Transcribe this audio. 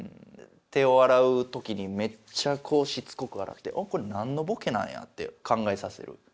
手を洗う時にめっちゃこうしつこく洗って「ん？これ何のボケなんや？」って考えさせる。